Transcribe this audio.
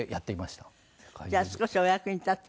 じゃあ少しお役に立った？